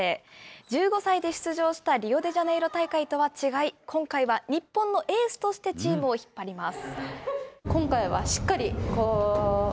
１５歳で出場したリオデジャネイロ大会とは違い、今回は、日本のエースとしてチームを引っ張ります。